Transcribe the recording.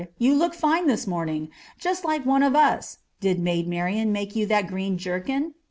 you look fine this morning; just like one of us. Did Maid Marian make you that green jerkin?"